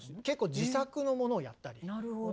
結構自作のものをやったり。